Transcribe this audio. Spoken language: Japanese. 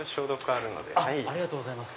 ありがとうございます。